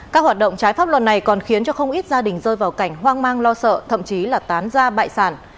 các hoạt động trái pháp luật này còn khiến cho không ít gia đình rơi vào cảnh hoang mang lo sợ thậm chí là tán ra bại sản